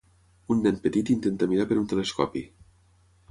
Un nen petit intenta mirar per un telescopi.